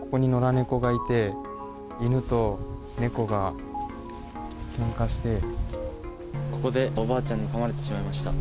ここに野良猫がいて、犬と猫がけんかして、ここでおばあちゃんがかまれてしまいました。